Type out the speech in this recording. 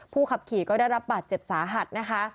ผู้ขับขี่ได้รับบาดเจ็บสาหัส